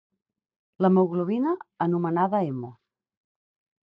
L'hemoglobina, anomenada hemo.